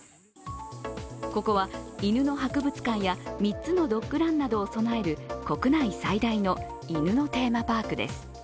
ここは犬の博物館や３つのドッグランなどを備える国内最大の犬のテーマパークです。